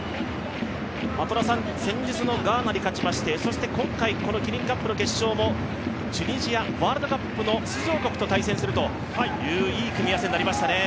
先日のガーナに勝ちまして、そして今回、このキリンカップの決勝もチュニジア、ワールドカップの出場国と対戦するといういい組み合わせになりましたね。